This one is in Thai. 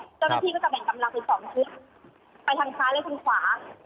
เจ้าหน้าที่ก็จะแบ่งกำลังเป็นสองชุดไปทางซ้ายและทางขวา